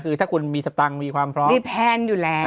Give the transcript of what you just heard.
คือถ้าคุณมีสตังค์มีความพร้อมมีแพลนอยู่แล้ว